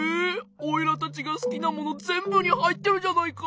おいらたちがすきなものぜんぶにはいってるじゃないか！